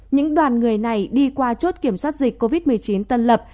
những đoàn người này đi qua chốt kiểm soát dịch covid một mươi chín tân lập